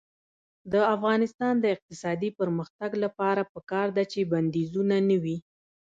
د افغانستان د اقتصادي پرمختګ لپاره پکار ده چې بندیزونه نه وي.